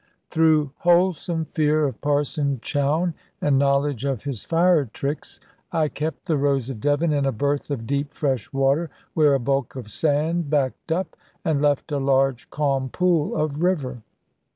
Through wholesome fear of Parson Chowne, and knowledge of his fire tricks, I kept the Rose of Devon in a berth of deep fresh water; where a bulk of sand backed up, and left a large calm pool of river.